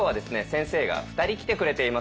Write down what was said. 先生が２人来てくれています。